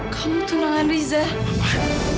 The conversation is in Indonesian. kamu tunangan riza